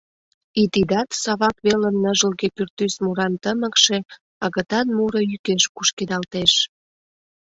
И тидат Савак велын ныжылге пӱртӱс муран тымыкше агытан муро йӱкеш кушкедалтеш.